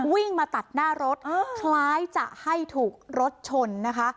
วิ่งมาตัดหน้ารถคล้ายจะให้ถูกรถชนนะคะ